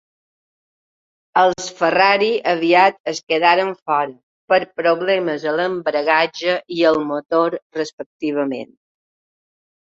Els Ferrari aviat es quedaren fora, per problemes a l'embragatge i al motor, respectivament.